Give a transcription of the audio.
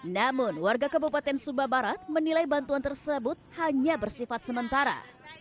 namun warga kabupaten sumba barat menilai bantuan tersebut hanya bersifat sementara